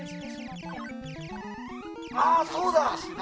あー、そうだ！